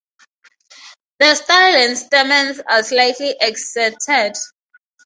The style and stamens are slightly exserted.